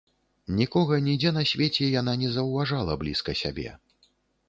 Нікога нідзе на свеце яна не заўважала блізка сябе.